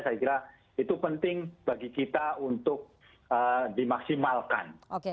saya kira itu penting bagi kita untuk dimaksimalkan